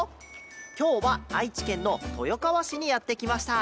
きょうはあいちけんのとよかわしにやってきました。